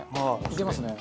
いけますね。